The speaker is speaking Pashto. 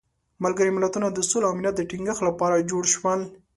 ملګري ملتونه د سولې او امنیت د تینګښت لپاره جوړ شول.